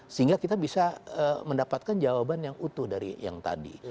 sehingga kita bisa mendapatkan jawaban yang utuh dari yang tadi